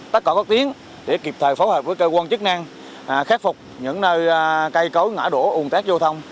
tắc cỏ cốt tiến để kịp thời phối hợp với cơ quan chức năng khắc phục những nơi cây cối ngã đổ uồn tét giao thông